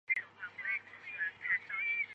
座堂的标志是圣安德烈十字。